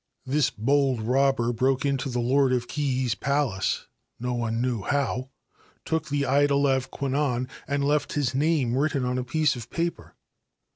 This bold robber broke into the Lord of Kii's Palace — no one knew how — took the idol of Kwannon, and left his name written on a piece of paper.